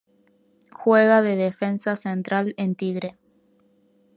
Juega de defensa central en Tigre.